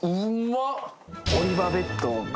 オリバベッドが。